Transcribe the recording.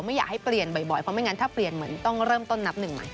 ไม่อยากให้เปลี่ยนบ่อยเพราะไม่งั้นถ้าเปลี่ยนเหมือนต้องเริ่มต้นนับหนึ่งใหม่